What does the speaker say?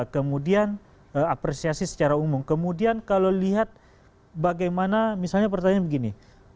kemudian apresiasi secara umum kemudian kalau lihat bagaimana misalnya pertanyaan begini